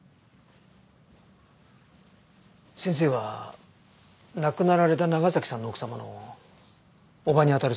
先生は亡くなられた長崎さんの奥様の叔母に当たるそうですね。